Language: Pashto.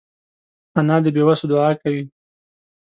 انا د بېوسو دعا کوي